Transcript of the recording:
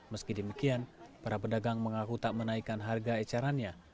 meski demikian para pedagang mengaku tak menaikkan harga ecarannya